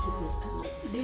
seterusnya ujian sedikit